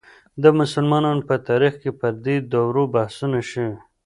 د مسلمانانو په تاریخ کې پر دې دورو بحثونه شوي.